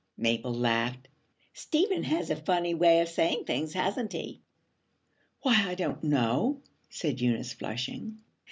Mabel laughed. 'Stephen has a funny way of saying things, hasn't he?' 'Why, I don't know,' said Eunice, flushing.